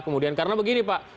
kemudian karena begini pak